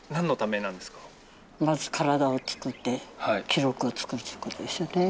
まず体を作って、記録を作るということですよね。